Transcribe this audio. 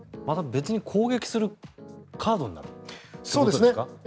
別に攻撃するカードになるということですか？